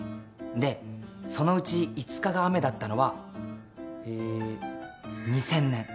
でそのうち５日が雨だったのはえー２０００年。